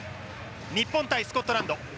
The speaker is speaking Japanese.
日本対スコットランド。